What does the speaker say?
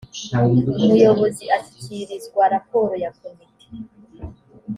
umuyobozi ashyikirizwa raporo ya komite